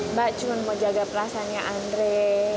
mbak cuma mau jaga perasaannya andre